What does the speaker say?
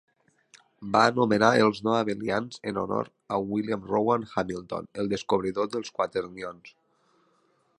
Va anomenar els no abelians en honor a William Rowan Hamilton, el descobridor dels quaternions.